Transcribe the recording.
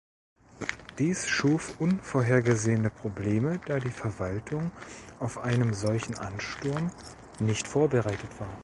Dies schuf unvorhergesehene Probleme, da die Verwaltung auf einen solchen Ansturm nicht vorbereitet war.